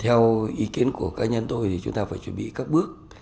theo ý kiến của cá nhân tôi thì chúng ta phải chuẩn bị các bước